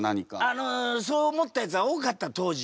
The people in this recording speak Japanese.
あのそう思ったやつは多かった当時。